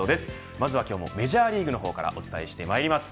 まずはメジャーリーグからお伝えしてまいります。